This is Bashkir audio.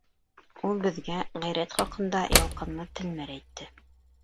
Ул беҙгә ғәйрәт хаҡында ялҡынлы телмәр әйтте.